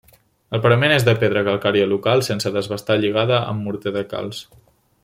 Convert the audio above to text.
El parament és de pedra calcària local sense desbastar lligada amb morter de calç.